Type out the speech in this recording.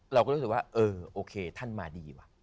เราก็รู้สึกว่าเออโอเคท่านมาดีว่ะ